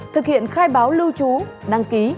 thực hiện khai báo lưu trú đăng ký